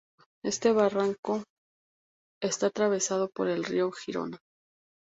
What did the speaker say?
Este barranco está atravesado por el río Girona.